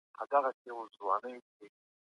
د تصمیم قانون ستاسو ژوند بدلوي.